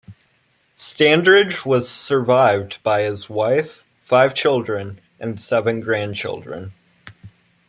Standridge was survived by his wife, five children, and seven grandchildren.